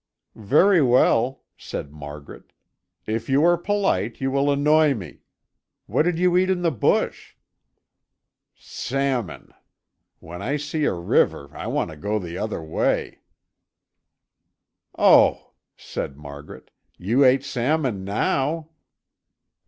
"Very well," said Margaret "If you are polite, you will annoy me. What did you eat in the bush?" "Salmon! When I see a river, I want to go the other way." "Oh!" said Margaret "You ate salmon now?"